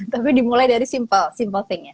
tapi dimulai dari simple simple thing ya